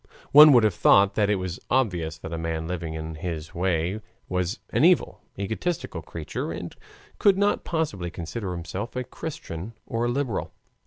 One would have thought that it was obvious that a man living in this way was an evil, egoistic creature and could not possibly consider himself a Christian or a liberal.